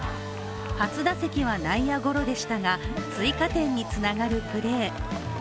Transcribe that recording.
初打席は内野ゴロでしたが追加点につながるプレー。